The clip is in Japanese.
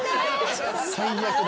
最悪だ。